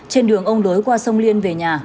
trên đường ông lối qua sông liên về nhà